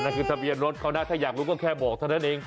ทะเบียนรถเขานะถ้าอยากรู้ก็แค่บอกเท่านั้นเอง